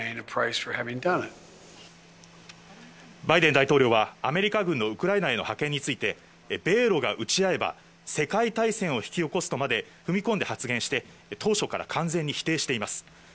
バイデン大統領は、アメリカ軍のウクライナへの派遣について、米ロが撃ち合えば、世界大戦を引き起こすとまで、踏み込んで発言して、当初から完全に否定しています。